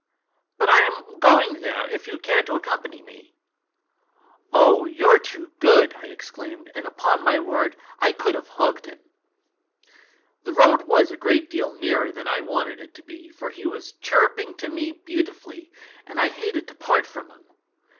But I am going there; if you care to accompany me '" 'Oh, you're too good!' I exclaimed, and upon my word I could have hugged him ! "The road was a great deal nearer than I wanted it to be, for he was chirruping to me beautifully, and I hated to part from him.